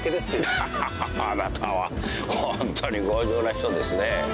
ハハハあなたはホントに強情な人ですね。